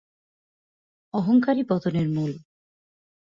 অহংকারই পতনের মূল।